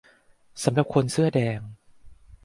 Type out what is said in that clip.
สำหรับคนเสื้อแดง